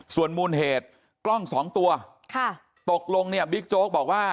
ส่วนมูลเหตุกล้องสองตัวค่ะตกลงเนี่ยบิ๊กโจ๊กบอกว่า